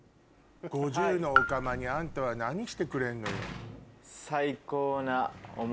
５０のオカマにあんたは何してくれんのよ？